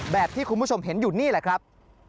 แบบที่คุณผู้ชมเห็นอยู่นี่แหละครับ